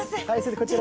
こちら。